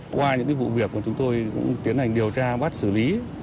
qua những vụ việc chúng tôi tiến hành điều tra bắt xử lý